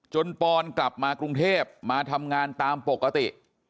ปอนกลับมากรุงเทพมาทำงานตามปกติ